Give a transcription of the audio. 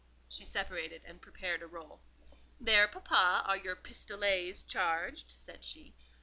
She separated and prepared a roll. "There, papa, are your 'pistolets' charged," said she.